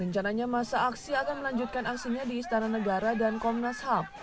rencananya masa aksi akan melanjutkan aksinya di istana negara dan komnas ham